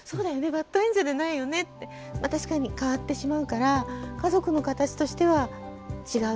バッドエンドじゃないよねってまあ確かに替わってしまうから家族の形としては違う。